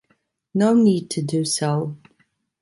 No need to do so